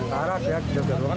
ntarak ya jebuat jebuat